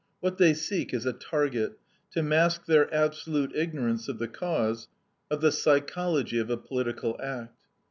What they seek is a target, to mask their absolute ignorance of the cause, of the psychology of a political act.